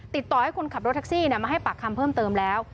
ติดต่อให้คนขับรถแท็กซี่มาให้ปากคำเพิ่มเติมแล้ว